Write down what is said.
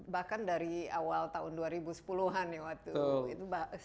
bahkan dari awal tahun dua ribu sepuluh an ya waktu itu